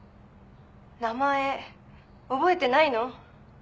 名前覚えてないの？